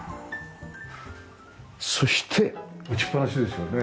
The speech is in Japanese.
そして打ちっぱなしですよね。